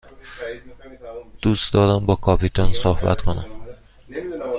دوست دارم با کاپیتان صحبت کنم.